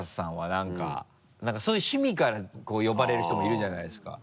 何かそういう趣味から呼ばれる人もいるじゃないですか